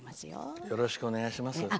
よろしくお願いします。